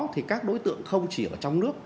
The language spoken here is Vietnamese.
thì các đối tượng không chỉ ở trong nước